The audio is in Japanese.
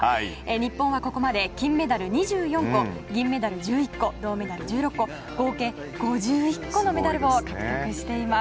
日本は、ここまで金メダル２４個銅メダル１６個、合計５１個のメダルを獲得しています。